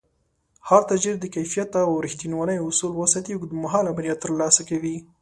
هر تاجر چې د کیفیت او رښتینولۍ اصول وساتي، اوږدمهاله بریا ترلاسه کوي